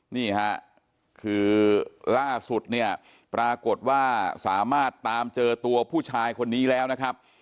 นี่ค่ะคือล่าสุดเนี่ยปรากฏว่าสามารถตามเจอตัวผู้ชายคนนี้แล้วนะครับ